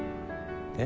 えっ？